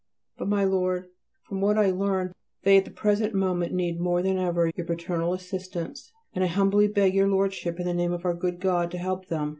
But, my Lord, from what I learn, they at the present moment need more than ever your paternal assistance, and I humbly beg your Lordship in the name of our good God to help them.